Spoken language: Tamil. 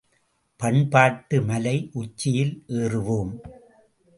பண்பாட்டு மலை உச்சியில் ஏறுவோம்!